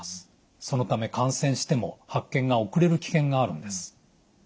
そのため感染しても発見が遅れる危険があるんです。